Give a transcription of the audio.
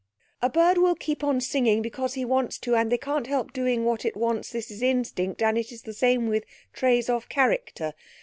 A burd will keep on singing because he wants to and they can't help doing what it wants this is instinkt. and it is the same with trays of charicter.